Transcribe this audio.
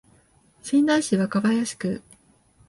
仙台市若林区